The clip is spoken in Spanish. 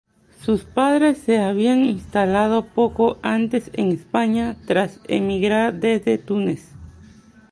Sus padres se habían instalado poco antes en España tras emigrar desde Túnez.